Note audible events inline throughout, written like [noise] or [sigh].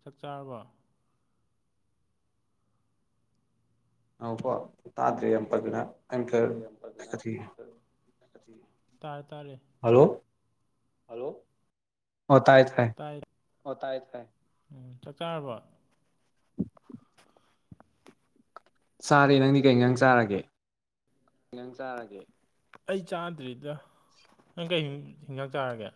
ꯆꯥꯛ ꯆꯥꯔꯕ ꯑꯀꯣ ꯇꯥꯗ꯭ꯔꯔꯤ ꯌꯥꯝ ꯐꯖꯅ ꯑꯝꯇ ꯇꯥꯔꯦ ꯇꯥꯔꯦ ꯍꯜꯂꯣ ꯑꯣ ꯇꯥꯏꯥꯏ ꯑꯣ ꯇꯥꯏ ꯇꯥꯏ ꯎꯝ ꯆꯞ ꯆꯥꯔꯕꯣ [inaudible] [unintelligible] ꯆꯥꯔꯦ ꯅꯪꯗꯤ ꯀꯩ ꯉꯥꯡ ꯆꯥꯔꯒꯦ ꯅꯦ ꯑꯩ ꯆꯥꯗ꯭ꯔꯤꯗ ꯅꯪ ꯀꯔꯤ ꯍꯤꯟꯖꯥꯛ ꯆꯥꯔꯒꯦ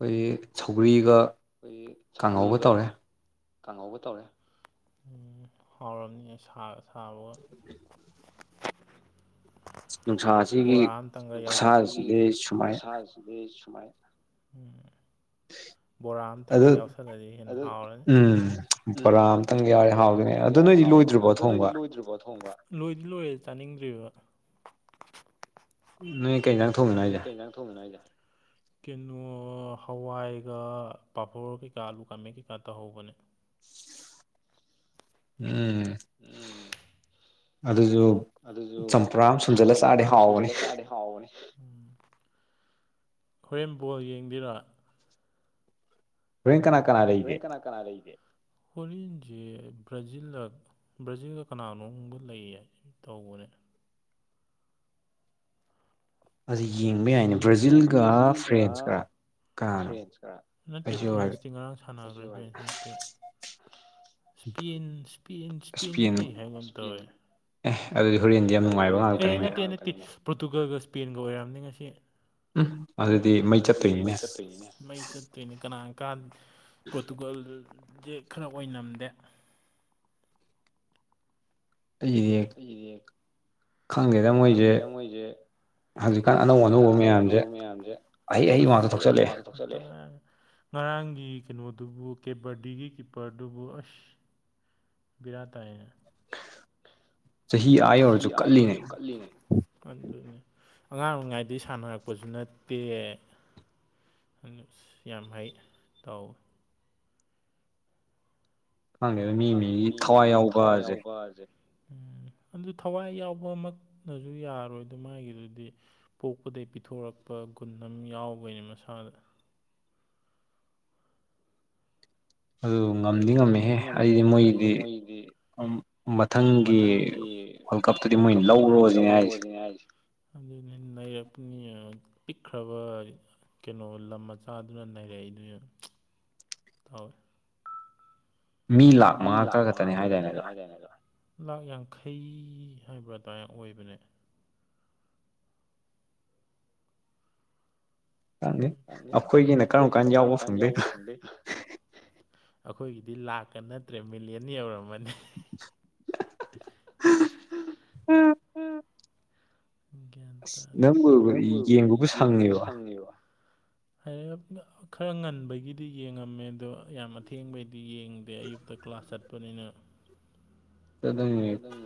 ꯑꯩꯈꯣꯏꯒꯤ ꯁꯧꯒ꯭ꯔꯤꯒ ꯑꯩꯈꯣꯏꯒꯤ ꯁꯧꯒ꯭ꯔꯤꯒ ꯀꯥꯡꯍꯧꯕ ꯇꯧꯔꯦ ꯎꯝ ꯍꯥꯎꯔꯝꯅꯤ ꯑꯩ ꯁꯥꯕꯒ ꯕꯣꯔꯥꯪ ꯑꯁꯤꯒꯤ ꯈꯨꯁꯁꯤꯗꯩ ꯃ ꯕꯣꯔꯥ ꯑꯃꯇꯪꯒ ꯌꯥꯎꯁꯜꯂꯗꯤ ꯍꯦꯟꯅ ꯍꯥꯎꯔꯅꯤ ꯎꯝ ꯕꯣꯔꯥ ꯑꯃꯇꯪ ꯌꯥ ꯂꯣꯏꯗꯤ ꯂꯣꯏꯔꯦ ꯆꯥꯅꯤꯡꯗ꯭ꯔꯤꯕ ꯅ ꯅꯣꯏ ꯀꯩꯖꯥꯡ ꯊꯣꯡꯃꯤꯅ ꯑꯩꯗꯦ ꯀꯩꯅꯣ ꯍꯋꯥꯏꯒ ꯄꯥꯕꯣꯔ ꯀꯩꯀꯥ ꯑꯂꯨ ꯀꯥꯃꯦꯟ ꯀꯩꯀꯥ ꯇꯧꯍꯧꯕꯅꯦ ꯎꯝ [inaudible] ꯑꯗꯨꯁꯨ ꯆꯝꯄ꯭ꯔꯥ ꯁꯨꯝꯖꯤꯜꯂ ꯆꯥꯔꯗꯤ ꯍꯥꯎꯕꯅꯤ ꯍꯣꯔꯦꯟꯕꯣꯜ ꯌꯦꯡꯕꯤꯔꯥ ꯔꯋꯦꯀꯅꯥ ꯦꯀꯅꯥꯀꯅꯔ ꯏꯦ ꯍꯣꯂꯤꯁ ꯕ꯭ꯔꯥꯖꯤꯜꯗ ꯕ꯭ꯔꯥꯖꯤꯜꯗ ꯀꯅꯥꯅꯣꯕ ꯂꯩ ꯍꯥꯏ ꯇꯧꯕꯅꯤ [inaudible] [unintelligible] ꯑꯗꯨ ꯌꯦꯡꯕ ꯌꯥꯏꯅꯦ ꯕ꯭ꯔꯥꯖꯤꯜꯒ ꯐ꯭ꯔꯦꯟꯁꯀ ꯅꯠꯇꯦ ꯐ꯭ꯔꯦꯟꯁꯇꯤ ꯉꯔꯥꯡ ꯁꯥꯟꯅ꯭ꯔꯦ ꯐ꯭ꯔꯦꯟꯁ ꯅꯠꯇꯦ ꯏꯁꯄ ꯏꯁꯄ ꯏꯁꯄꯦꯟꯁꯨ ꯂꯩꯔꯤ ꯍꯥꯏꯕ ꯇꯧ ꯑꯦ ꯅꯠꯇꯦ ꯅꯠꯇꯦ ꯄꯣꯔꯇꯨꯒꯜꯒ ꯏꯁꯄꯦꯟꯒ ꯑꯣꯏꯔꯝꯅꯤ ꯉꯁꯤ ꯎꯝ ꯑꯗꯨꯗꯤ ꯃꯩ ꯆꯠꯇꯣꯏꯅꯤꯅꯦ ꯃꯩ ꯆꯠꯇꯣꯏꯅꯦ ꯀꯅꯥ ꯀꯥꯟ ꯄꯣꯔꯇꯨꯒꯜꯁꯦ ꯈꯔ ꯑꯣꯏꯅꯝꯗꯦ ꯑꯩꯗꯒꯤ ꯈꯪꯒꯦꯗ ꯃꯣꯏꯁꯦ ꯍꯧꯖꯤꯛꯀꯥꯟ ꯑꯅꯧ ꯑꯅꯧꯕ ꯃꯌꯥꯝꯁꯦ ꯍ ꯑꯍꯩ ꯃꯥꯡꯗ ꯊꯣꯛꯆꯜꯂꯦ ꯉꯔꯥꯡꯒꯤ ꯀꯩꯅꯣꯗꯨꯕꯨ ꯀꯦꯕꯗꯤꯒꯤ ꯀꯤꯞꯄꯔꯗꯨꯕꯨ ꯑꯁ ꯔ ꯇꯥꯥꯏ ꯆꯍꯤꯍꯤ ꯑꯑ ꯑꯣꯔꯁꯨ ꯀꯜꯂꯤꯅꯦ ꯑꯉꯥꯡ ꯑꯣꯏꯔꯤꯉꯩꯗꯒꯤ ꯁꯥꯟꯅꯔꯛꯄꯁꯨ ꯅꯠꯇꯦ ꯌꯥꯝ ꯍꯩ ꯇꯥꯎꯋꯤ ꯈꯪꯉꯦꯗ ꯃꯤ ꯃꯤꯒꯤ ꯊꯋꯥꯏ ꯌꯥꯎꯕꯁꯦ ꯎꯝ ꯑꯗꯨ ꯊꯋꯥꯏ ꯌꯥꯎꯕꯃꯛꯅꯁꯨ ꯌꯥꯔꯣꯏꯗ ꯃꯥꯒꯤꯗꯨꯗꯤ ꯄꯣꯛꯄꯗꯒꯤꯩ ꯄꯤꯊꯣꯔꯛꯄ ꯒꯨꯟ ꯑꯃ ꯌꯥꯎꯕꯩꯅꯤ ꯃꯁꯥꯗ ꯑꯗꯨ ꯉꯝꯗꯤ ꯉꯝꯃꯤꯍꯦ ꯑꯩꯗꯤ ꯃꯣꯏꯒꯤꯗꯤ ꯃꯊꯪꯒꯤ ꯋꯥꯔꯀꯜ ꯀꯞꯇꯨꯗꯤ ꯃꯣꯏ ꯂꯧꯔꯣꯁꯤꯅꯦ ꯍꯥꯏꯁꯦ ꯑꯗꯨꯅꯦ ꯂꯩꯔꯛꯅꯤ ꯄꯤꯛꯈ꯭ꯔꯕ ꯀꯩꯅꯣ ꯂꯝ ꯃꯆꯥꯗꯨꯅ ꯂꯩꯔꯛꯏꯗꯨꯅ ꯇꯥꯎꯋꯦ ꯃꯤ ꯂꯥꯛ ꯃꯉꯥ ꯈꯔ ꯈꯛꯇꯅꯤ ꯍꯥꯏꯗꯥꯏꯅꯦꯗ ꯂꯥꯛ ꯌꯥꯡꯈꯩ ꯍꯥꯏꯕ꯭ꯔꯥ ꯇꯗꯥ ꯑꯣꯏꯕꯅꯦ ꯪ ꯑꯩꯈꯣꯏꯒꯤꯅ ꯀꯔꯝ ꯀꯥꯟ ꯌꯥꯎꯕ ꯐꯪꯗꯣꯏꯕ ꯑꯩꯈꯣꯏꯒꯤꯗꯤ ꯂꯥꯛꯀ ꯅꯠꯇ꯭ꯔꯦ ꯃꯤꯂꯤꯌꯟ ꯌꯧꯔꯝꯃꯅꯤ ꯎꯝ ꯑꯁ ꯅꯪꯕꯨ ꯌꯦꯡꯕꯕꯨ ꯁꯪꯉꯦꯕ ꯍꯥꯏꯔꯒ ꯈꯔ ꯉꯟꯕꯒꯤꯗꯤ ꯌꯦꯡꯉꯝꯃꯦ ꯑꯗꯣ ꯌꯥꯝ ꯑꯊꯦꯡꯕꯩꯗꯤ ꯌꯦꯡꯗꯦ ꯑꯌꯨꯛꯇ ꯑꯩꯣꯏ ꯀ꯭ꯂꯥꯁ ꯆꯠꯄꯅꯤꯅ ꯑꯗꯨꯝ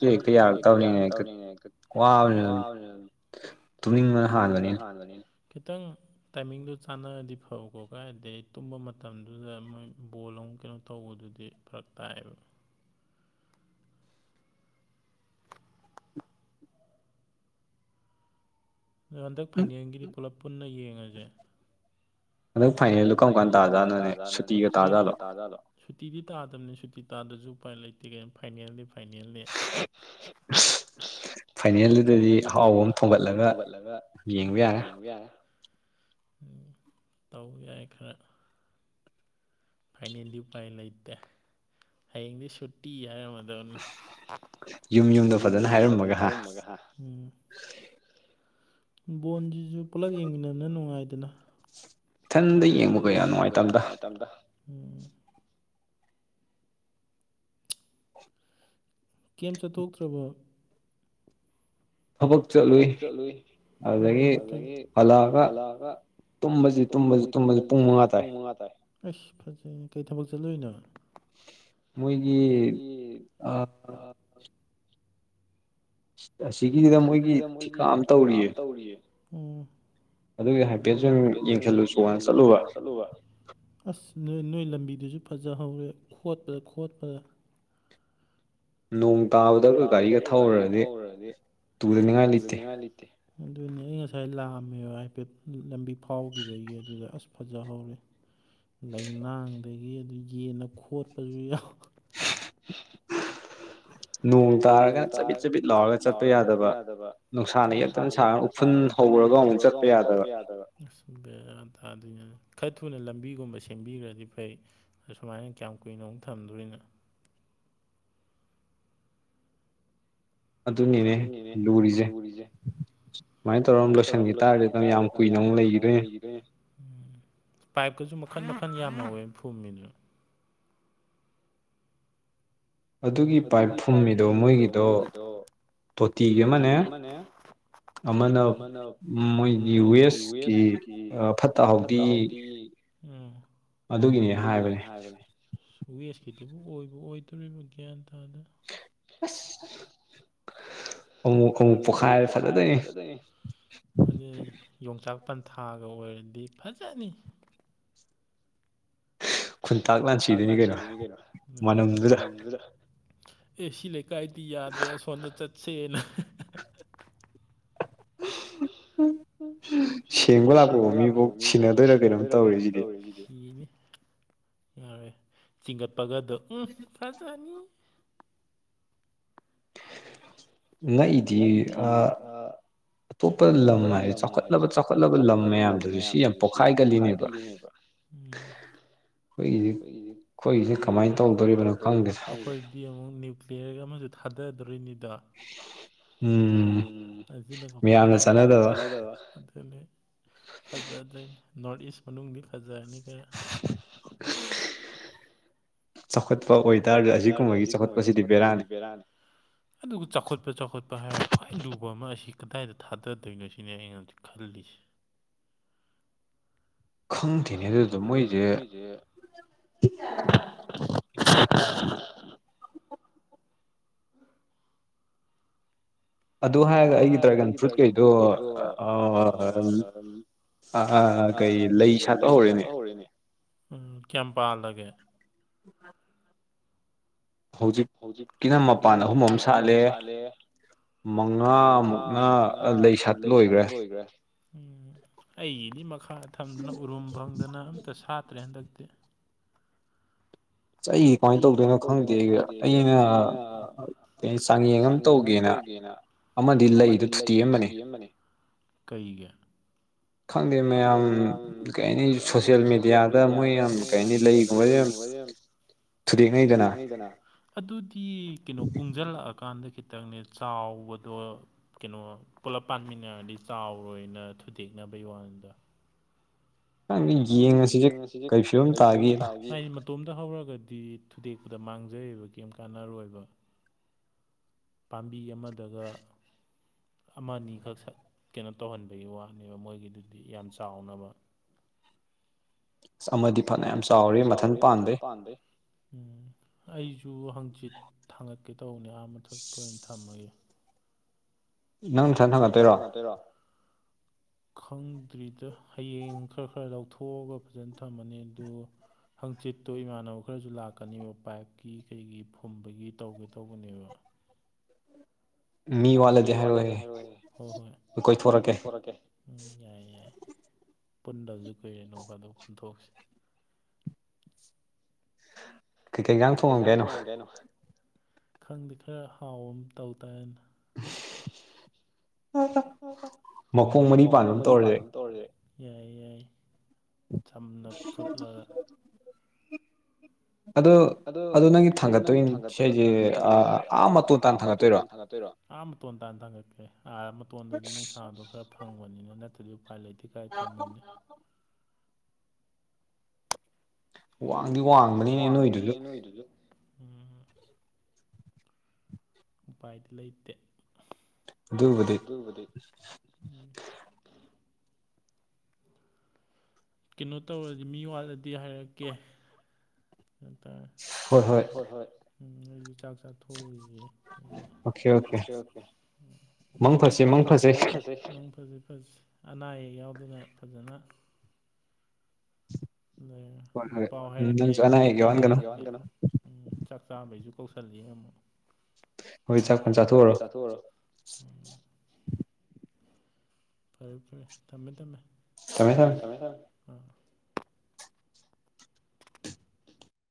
ꯊꯕꯛꯁꯨ ꯍꯦꯛꯇ ꯌꯥꯔꯛꯇꯕꯅꯤꯅ ꯍꯦꯛꯇ ꯋꯥꯕꯅꯤ ꯑꯗꯨ ꯇꯨꯝꯅꯤꯡꯕꯅ ꯍꯥꯟꯕꯅꯤꯅ ꯈꯤꯇꯪ ꯇꯥꯏꯃꯤꯡꯗꯨ ꯆꯥꯟꯅꯔꯗꯤ ꯐꯧꯀꯣ ꯀꯥꯏꯗꯩ ꯇꯨꯝꯕ ꯃꯇꯝꯗꯨꯗ ꯃꯣꯏ ꯕꯣꯜ ꯑꯃ ꯑꯗꯨ ꯀꯩꯅꯣ ꯇꯧꯕꯗꯨꯗꯤ ꯐꯔꯛ ꯇꯥꯏꯑꯕ ꯑꯗ ꯍꯟꯗꯛ ꯐꯥꯏꯅꯦꯟꯒꯤꯗꯤ ꯄꯨꯂꯞ ꯄꯨꯟꯅ ꯌꯦꯡꯉꯁꯦ ꯅ ꯐꯥꯏꯅꯦꯜꯗꯣ ꯀꯔꯝ ꯀꯥꯟ ꯇꯥꯖꯥꯠꯅꯣꯅꯦ ꯁꯤꯒ ꯇꯥꯖꯥꯠꯂꯣ ꯇꯥꯗꯕꯅꯤ ꯁꯨꯇꯤ ꯇꯥꯗꯕꯁꯨ ꯎꯄꯥꯏ ꯂꯩꯇꯦ ꯀꯩꯅꯅ ꯐꯥꯏꯅꯦꯜꯂꯤ ꯐꯥꯏꯅꯦꯜꯜꯂꯤ ꯐꯥꯏꯅꯦꯜꯗꯨꯗꯗꯤ ꯑꯍꯥꯎꯕ ꯑꯃ ꯊꯣꯡꯒꯠꯂꯒ ꯌꯦꯡꯕ ꯌꯥꯔꯦ ꯇꯧ ꯌꯥꯏ ꯈꯔ ꯄꯅꯦꯟꯗꯤ ꯄꯥꯏꯟ ꯂꯩ ꯏꯇꯦ ꯍꯌꯦꯡꯗꯤ ꯁꯇꯤ ꯌꯥꯔ ꯃ ꯌꯨꯝ ꯌꯨꯝꯗꯣ ꯐꯖꯅ ꯍꯥꯏꯔꯝꯃꯒ ꯍꯥ ꯕꯣꯟꯁꯤꯁꯨ ꯄꯨꯂꯞ ꯌꯦꯡꯃꯤꯟꯅꯅ ꯅꯨꯡꯉꯥꯏꯗꯅ ꯏꯊꯟꯇ ꯌꯦꯡꯕ ꯀꯌꯥ ꯅꯨꯡꯉꯥꯏꯇꯝꯗ ꯎꯝ ꯀꯦꯝ ꯆꯠꯊꯣꯛꯇ꯭ꯔꯕꯣ ꯊꯕꯛ ꯆꯠꯂꯨꯏ ꯑꯗꯨꯗꯒꯤ ꯄꯜꯂꯛꯑꯒ ꯇꯨꯝꯕꯁꯤ ꯇꯨꯝꯕꯁꯤ ꯇꯨꯝꯕꯁꯤ ꯄꯨꯡ ꯃꯉꯥ ꯇꯥꯏ ꯑꯁ ꯐꯖꯩ ꯀꯩ ꯊꯕꯛ ꯆꯠꯂꯣꯏꯅꯣ ꯃꯣꯏꯒꯤ ꯑꯁꯤꯒꯤꯁꯤꯗ ꯃꯣꯏꯒꯤ ꯊꯤꯀꯥ ꯑꯃ ꯇꯧꯔꯤꯌꯦ ꯎꯝ ꯑꯗꯨꯒꯤ ꯍꯥꯏꯐꯦꯠꯁꯨ ꯑꯗꯨꯝ ꯌꯦꯡꯁꯤꯜꯂꯨ ꯆꯣꯉꯅ ꯆꯠꯂꯨꯕ ꯑꯁ ꯅ ꯅꯣꯏ ꯂꯝꯕꯤꯗꯨꯁꯨ ꯐꯖꯍꯧꯔꯦ ꯈꯣꯠꯄꯗ ꯈꯣꯠꯄꯗ ꯅꯣꯡ ꯇꯥꯕꯗ ꯒꯥꯔꯤꯒ ꯊꯧꯍꯔꯗꯤ ꯇꯨꯗꯅꯤꯡꯉꯥꯏ ꯂꯩꯇꯦ ꯑꯗꯨꯅꯦ ꯑꯩ ꯉꯁꯥꯏ ꯂꯥꯛꯑꯝꯃꯦꯕ ꯍꯥꯏꯐꯦꯠ ꯂꯝꯕꯤ ꯐꯥꯎꯈꯤꯕꯒꯤ ꯑꯗꯨꯗ ꯑꯁ ꯐꯖꯍꯧꯔꯦ ꯂꯩꯅꯥ ꯑꯗꯒꯤ ꯑꯗꯨ ꯌꯦꯟꯅ ꯈꯣꯠꯄꯁꯨ ꯌꯥꯎ ꯅꯣꯡ ꯇꯥꯔꯒ ꯆꯕꯤꯠ ꯆꯕꯤꯠ ꯂꯥꯎꯔꯒ ꯆꯠꯄ ꯌꯥꯗꯕ ꯅꯨꯡꯁꯥꯅ ꯍꯝꯛꯇꯪ ꯁꯥꯒ ꯎꯐꯨꯟ ꯍꯧꯔꯒ ꯑꯃꯨꯛ ꯆꯠꯄ ꯌꯥꯗꯕ ꯑꯗꯨꯅ ꯈꯔ ꯊꯨꯅ ꯂꯝꯕꯤꯒꯨꯝꯕ ꯁꯦꯝꯕꯤꯈ꯭ꯔꯗꯤ ꯐꯩ ꯑꯁꯨꯃꯥꯏꯅ ꯀꯌꯥꯝ ꯀꯨꯏꯅ ꯑꯃꯨꯛ ꯊꯝꯗꯣꯔꯤꯅꯣ ꯑꯗꯨꯅꯤꯅꯦ ꯂꯨꯔꯤꯁꯦ ꯁꯨꯃꯥꯏꯅ ꯇꯧꯔ ꯂꯣꯏꯁꯤꯟꯈꯤ ꯇꯥꯔꯗꯤ ꯌꯥꯝ ꯀꯨꯏꯅ ꯑꯃꯨꯛ ꯂꯩꯈꯤꯗꯣꯏꯅꯦ ꯀꯁꯨ ꯃꯈꯟ ꯃꯈꯟ ꯌꯥꯝꯅꯋꯅ ꯐꯨꯝꯃꯤꯗꯨꯅ ꯑꯗꯨꯒꯤ ꯄꯥꯏꯞ ꯐꯨꯝꯃꯤꯗꯣ ꯃꯣꯏꯒꯤꯗꯣ ꯇꯣꯇꯤꯒꯤ ꯑꯃꯅꯦ ꯑꯃꯅ ꯃꯣꯏꯒꯤ ꯋꯦꯁꯀꯤ ꯐꯠꯇ ꯍꯥꯎꯊꯤ ꯎꯝ ꯑꯗꯨꯒꯤꯅꯦ ꯍꯥꯏꯕꯅꯦ ꯋꯦꯁꯀꯤꯇꯕꯨ ꯑꯣꯏꯕ ꯑꯣꯏꯗꯣꯔꯤꯕ ꯒ꯭ꯌꯥꯟ ꯑꯁ ꯑꯃꯨꯛ ꯑꯃꯨꯛ ꯄꯣꯛꯈꯥꯏꯔꯦ ꯐꯖꯗꯅꯤ ꯌꯣꯡꯆꯥꯛ ꯄꯟꯊꯥꯒ ꯑꯣꯏꯔꯗꯤ ꯐꯖꯅꯤ ꯈꯨꯟꯇꯥꯛ ꯂꯥꯟꯁꯤꯗꯣꯏꯅꯤ ꯀꯩꯅꯣ ꯃꯅꯝꯗꯨꯗ ꯑꯦ ꯁꯤ ꯂꯩꯀꯥꯏꯗꯤ ꯌꯥꯗ꯭ꯔꯦ ꯁꯣꯝꯗ ꯆꯠꯁꯦꯅ ꯎꯝꯝ ꯁꯦꯡꯕ ꯂꯥꯛꯄꯕꯣ ꯃꯤꯐꯥꯎ ꯁꯤꯟꯅꯗꯣꯏꯔꯥ ꯀꯩꯅꯣꯝ ꯇꯧꯔꯦꯗꯤ ꯌꯥꯔꯦ ꯆꯤꯡꯒꯠꯄꯒꯗꯣ ꯎꯝ ꯐꯖꯅꯤ ꯅ ꯏꯗꯤ ꯑ ꯑꯇꯣꯞꯄ ꯂꯝ ꯍꯥꯏ ꯆꯥꯎꯈꯠꯂꯕ ꯆꯥꯎꯈꯠꯂꯕ ꯂꯝ ꯃꯌꯥꯝꯗꯨꯁꯨ ꯁꯤ ꯌꯥꯝ ꯄꯣꯛꯈꯥꯏꯒꯜꯂꯤꯅꯦꯕ ꯎꯝ ꯑꯩꯈꯒꯤꯁꯤ ꯑꯩꯈꯣꯏꯒꯤꯁꯤꯦ ꯀꯃꯥꯏꯅ ꯇꯧꯗꯣꯔꯤꯕꯅꯣ ꯕꯦꯒ ꯑꯃꯁꯨ ꯊꯥꯗꯗꯣꯔꯤꯅꯤꯗ ꯎꯝꯥꯏ ꯌꯥꯝꯅ ꯆꯥꯟꯅꯗꯕ ꯑꯗꯨ ꯐꯖꯗ꯭ꯔꯦ ꯅꯣꯔꯠ ꯏꯁ ꯃꯅꯨꯡꯗꯗꯤ ꯐꯖꯔꯅꯤ ꯈꯔ ꯆꯥꯎꯈꯠꯄ ꯑꯣꯏꯇꯥꯔꯗꯤ ꯑꯁꯤꯒꯨꯝꯕꯒꯤ ꯆꯥꯎꯈꯠꯄꯁꯤꯗꯤ ꯕꯦꯔꯥꯅꯤ ꯑꯗꯨꯒ ꯆꯥꯎꯈꯠꯄ ꯆꯥꯎꯈꯠꯄ ꯍꯥꯏꯔ ꯈ꯭ꯋꯥꯏ ꯂꯨꯕ ꯑꯃ ꯑꯁꯤ ꯀꯗꯥꯏꯗ ꯊꯥꯗꯗꯣꯏꯅꯣ ꯁꯤꯅꯦ ꯑꯩꯅ ꯍꯧꯖꯤꯛ ꯈꯜꯂꯤꯁꯦ ꯈꯪꯗꯦꯅꯦ ꯑꯗꯨꯗꯣ ꯃꯣꯏꯁꯦ [inaudible] [unintelligible] ꯑꯗꯨ ꯍꯥꯏꯔꯒ ꯑꯩꯒꯤ ꯗ꯭ꯔꯥꯒꯟ ꯐ꯭ꯔꯨꯏꯠ ꯀꯩꯗꯣ ꯑ ꯑꯥ ꯀꯩ ꯂꯩ ꯁꯥꯠꯄ ꯍꯧꯔꯦꯅꯦ ꯎꯝ ꯀꯌꯥꯝꯄꯥꯜꯂꯒꯦ ꯍꯧꯖꯤꯛꯀꯤꯅ ꯃꯄꯥꯟ ꯑꯍꯨꯝ ꯑꯃ ꯁꯥꯠꯂꯦ ꯃꯉꯥꯃꯨꯛꯅ ꯂꯩ ꯁꯥꯠ ꯂꯣꯏꯈ꯭ꯔꯦ ꯑꯩꯒꯤꯗꯤ ꯃꯈꯥ ꯊꯝꯗꯅ ꯎꯔꯨꯝ ꯐꯪꯗꯅ ꯑꯝꯇ ꯁꯥꯠꯇ꯭ꯔꯦ ꯍꯟꯗꯛꯇꯤ ꯑꯩ ꯀꯃꯥꯏꯅ ꯇꯧꯗꯣꯏꯅꯣ ꯈꯪꯗꯦ ꯑꯩꯅ ꯀ ꯆꯥꯡꯌꯦꯡ ꯑꯃ ꯇꯧꯒꯦꯅ ꯑꯃꯗꯤ ꯂꯩꯗꯨ ꯐꯨꯇꯤ ꯑꯃꯅꯤ ꯀꯩꯒ ꯈꯪꯗꯦ ꯃꯌꯥꯝ ꯀꯩ ꯍꯥꯏꯅꯤ ꯁꯣꯁꯦꯜ ꯃꯦꯗꯤꯌꯥꯗ ꯃꯣꯏ ꯌꯥꯝ ꯀꯩ ꯍꯥꯏꯅꯤ ꯂꯩꯒꯨꯝꯕꯁ ꯌꯥꯝ [inaudible] [unintelligible] ꯉꯗꯅ ꯑꯗꯨꯗꯤ ꯀꯩꯅꯣ ꯀꯨꯡꯁꯤꯜꯂꯛꯑꯀꯥꯟꯗ ꯈꯤꯇꯪꯅꯦ ꯆꯥꯎꯕꯗꯣ ꯀꯩꯅꯣ ꯄꯨꯂꯞ ꯄꯥꯟꯃꯤꯟꯅꯔꯗꯤ ꯆꯥꯎꯔꯣꯏꯅ ꯊꯨꯗꯤꯡ ꯅꯕꯩ ꯋꯥꯗ ꯅꯪ ꯌꯦꯡꯉꯁꯤꯁꯦ ꯀꯩꯁꯨ ꯑꯃ ꯇꯥꯈꯤ ꯑ ꯍꯧꯔꯒꯗꯤ ꯊꯨꯗꯦꯛꯄꯗ ꯃꯥꯡꯖꯩꯕ ꯀꯩꯝ ꯀꯥꯟꯅꯔꯣꯏꯕ ꯄꯥꯝꯕꯤ ꯑꯃꯗꯒ ꯑꯃ ꯑꯅꯤꯈꯛ ꯁꯛ ꯀꯩꯅꯣ ꯇꯧꯍꯟꯕꯒꯤ ꯋꯥꯅꯦꯕ ꯃꯣꯏꯒꯤꯗꯨꯗꯤ ꯌꯥꯝ ꯆꯥꯎꯅꯕ ꯑꯁ ꯑꯃꯗꯤ ꯐꯅ ꯌꯥꯝ ꯆꯥꯎꯔꯦ ꯃꯊꯟ ꯄꯥꯟꯕꯩ ꯎꯝ ꯑꯩꯁꯨ ꯍꯪꯆꯤꯠ ꯊꯥꯡꯒꯠꯀꯦ ꯇꯧꯕꯅꯦ ꯑꯥ ꯃꯊꯛꯇ ꯑꯣꯏꯅ ꯊꯝꯃꯒꯦ ꯅꯪꯊꯟ ꯊꯪꯒꯠꯇꯣꯏꯔꯣ ꯎꯝ ꯈꯪꯗ꯭ꯔꯤꯗ ꯍꯌꯦꯡ ꯈꯔ ꯈꯔ ꯂꯧꯊꯣꯛꯑꯒ ꯐꯖꯅ ꯊꯝꯃꯅꯤ ꯑꯗꯨ ꯍꯪꯆꯤꯠꯇꯨ ꯏꯃꯥꯟꯅꯕ ꯈꯔꯁꯨ ꯂꯥꯛꯀꯅꯦꯕ ꯄꯥꯏꯞꯀꯤ ꯀꯩꯒꯤ ꯐꯨꯝꯕꯒꯤ ꯇꯧꯒꯦ ꯇꯧꯒꯅꯦꯕ ꯃꯤ ꯋꯥꯠꯂꯗꯤꯦ ꯍꯥꯏꯔꯣꯏ ꯍꯣꯏ ꯍꯣꯏ ꯀꯣꯏꯊꯣꯔꯛꯀꯦ ꯎ ꯌꯥꯏ ꯌꯥꯏ ꯄꯨꯟꯗꯕꯁꯨ ꯀꯨꯏꯔꯦ ꯅꯣꯡ ꯐꯗ ꯄꯨꯟꯊꯣꯛꯁꯤ ꯀꯩ ꯀꯩꯀꯥꯡ ꯊꯣꯡꯉꯝꯒꯦꯩꯅꯣ ꯈꯪꯗꯦ ꯈꯔ ꯍꯥꯎꯕ ꯑꯃ ꯇꯧ ꯇꯥꯏꯅ ꯃꯈꯣꯡ ꯃꯅꯤꯄꯥꯟ ꯑꯗꯨꯝ ꯇꯧꯔꯁꯦ ꯌꯥꯏ ꯌꯥꯏ ꯁꯝꯅ ꯐꯨꯠꯂꯒ ꯑꯗꯨ ꯑꯗꯨ ꯅꯪꯒꯤ ꯊꯥꯡꯒꯠꯇꯣꯏꯅꯤ ꯁꯤꯁꯦ ꯑꯥ ꯃꯇꯣ ꯇꯥꯅ ꯊꯥꯡꯒꯠꯇꯣꯏꯔꯣ ꯑꯥ ꯃꯇꯣꯟ ꯇꯥꯅ ꯊꯥꯡꯒꯠꯀꯦ ꯑꯥ ꯃꯇꯣꯟꯗꯗꯤ ꯅꯨꯡꯁꯥꯗꯣ ꯈꯔ ꯐꯪꯕꯅꯤꯅ ꯅꯠꯇ꯭ꯔꯗꯤ ꯎꯄꯥꯏ ꯂꯩꯇꯦ ꯀꯥꯏ ꯊꯥꯡꯝꯕꯅꯤ ꯋꯥꯡꯗꯤ ꯋꯥꯡꯕꯅꯤꯅꯦ ꯅꯣꯏꯗꯨꯁꯨ ꯎꯄꯥꯏꯗꯤ ꯂꯩꯇꯦ ꯨꯕꯗꯤ ꯀꯩꯅꯣ ꯇꯧꯔꯗꯤ ꯃꯤ ꯋꯥꯠꯂꯗꯤ ꯍꯥꯏꯔꯛꯀꯦ ꯇꯥꯦ ꯍꯣꯏ ꯍꯣꯏ ꯎꯝ ꯑꯩꯁꯨ ꯆꯥꯛ ꯆꯥꯊꯣꯛꯏꯌꯦ ꯑꯣꯦ ꯑꯣꯦ ꯃꯪ ꯐꯁꯦ ꯃꯪ ꯐꯁꯦ ꯑꯅꯥ ꯑꯌꯦꯛ ꯌꯥꯎꯗꯅ ꯐꯖꯅ ꯑ ꯄꯥꯎ ꯍꯔꯦ ꯍꯥꯏ ꯆꯥꯛ ꯆꯥꯕꯩꯁꯨ ꯀꯧꯁꯜꯂꯤ ꯑꯃꯨꯛ ꯍꯧꯣꯏ ꯆ ꯄ ꯆꯊ ꯑꯣꯏꯔꯣ ꯐꯔꯦ ꯐꯔꯦ ꯊꯃꯦ ꯊꯃꯦꯃꯦ ꯊꯃꯦ ꯑꯥ